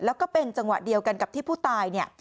แล้วก็เป็นจังหวะเดียวกันกับที่ผู้ตายเนี่ย